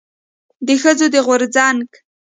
د ښځو د غورځنګ